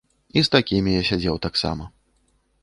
І з такімі я сядзеў таксама.